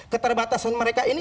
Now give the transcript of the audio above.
keterbatasan mereka ini